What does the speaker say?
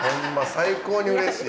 最高にうれしい。